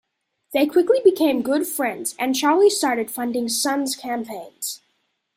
They quickly became good friends and Charlie started funding Sun's campaigns.